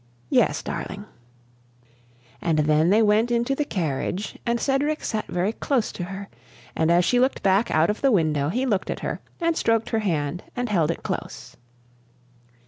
"Yes, darling." And then they went into the carriage and Cedric sat very close to her, and as she looked back out of the window, he looked at her and stroked her hand and held it close.